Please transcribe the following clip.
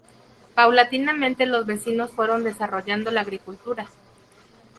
Paulatinamente, los vecinos fueron desarrollando la agricultura.